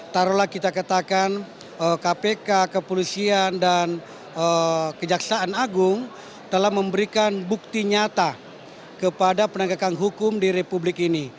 taruhlah kita katakan kpk kepolisian dan kejaksaan agung telah memberikan bukti nyata kepada penegakan hukum di republik ini